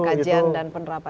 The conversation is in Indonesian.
pengkajian dan penerapan